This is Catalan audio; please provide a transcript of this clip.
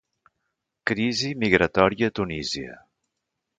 Crisi migratòria a Tunísia